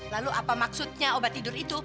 lalu apa maksudnya obat tidur itu